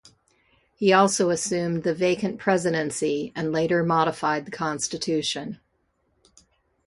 He also assumed the vacant presidency and later modified the constitution.